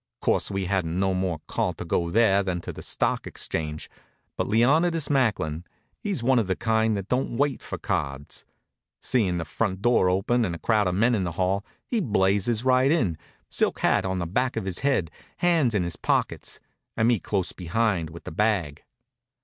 Course, we hadn't no more call to go there than to the Stock Exchange, but Leonidas Macklin, he's one of the kind that don't wait for cards. Seein' the front door open and a crowd of men in the hall, he blazes right in, silk hat on the back of his head, hands in his pockets, and me close behind with the bag.